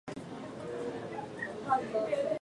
千葉県白井市